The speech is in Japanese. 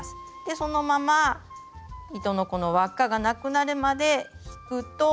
そのまま糸のこの輪っかがなくなるまで引くと。